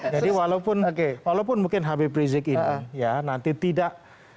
jadi walaupun mungkin hp prizik ini ya nanti tidak